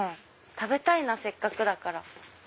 食べたいなせっかくだから。